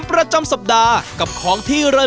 เอ้าลุ้นลุ้นลอยตรงนี้เลย